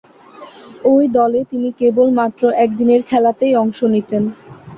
ঐ দলে তিনি কেবলমাত্র একদিনের খেলাতেই অংশ নিতেন।